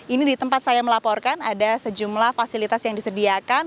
ini di tempat saya melaporkan ada sejumlah fasilitas yang disediakan